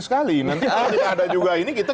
sekali nanti ada juga ini kita